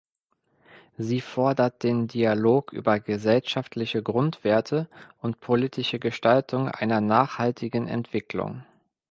Sie fordert den Dialog über gesellschaftliche Grundwerte und politische Gestaltung einer nachhaltigen Entwicklung.